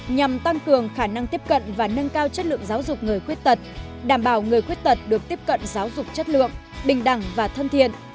nhằm tăng cường khả năng tiếp cận và nâng cao chất lượng giáo dục người khuyết tật đảm bảo người khuyết tật được tiếp cận giáo dục chất lượng bình đẳng và thân thiện